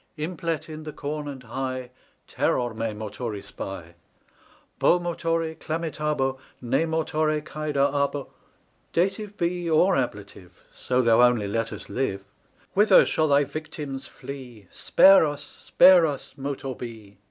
Implet in the Corn and High Terror me Motoris Bi: Bo Motori clamitabo Ne Motore caedar a Bo— Dative be or Ablative So thou only let us live:— Whither shall thy victims flee? Spare us, spare us, Motor Be!